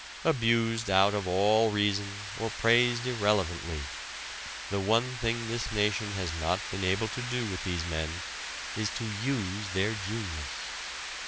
Abused out of all reason or praised irrelevantly the one thing this nation has not been able to do with these men is to use their genius.